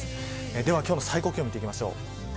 では今日の最高気温見ていきましょう。